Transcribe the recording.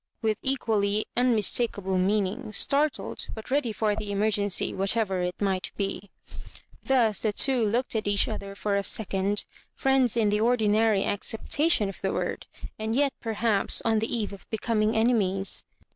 with equally unmistakable meaning, startled, but ready for the emergency, whatever it might be. Thus the two looked at each other for a second, friends m the ordinary acoeptatlon of the word, and, yet, perhaps, on the eve of becoming enemies.